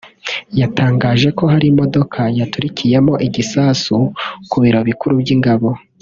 yatangaje ko hari imodoka yaturikiyemo igisasu ku biro bikuru by’ingabo